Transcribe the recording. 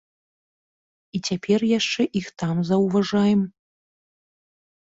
І цяпер яшчэ іх там заўважаем.